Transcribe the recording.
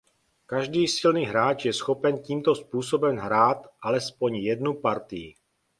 Každý silný hráč je schopen tímto způsobem hrát alespoň jednu partii.